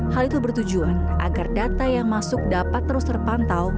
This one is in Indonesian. hal itu bertujuan agar data yang masuk dapat terus terpantau